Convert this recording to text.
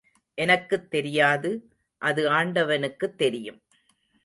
எனக்குத் தெரியாது, அது ஆண்டவனுக்குத் தெரியும்.